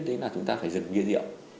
thì là chúng ta phải dừng bia rượu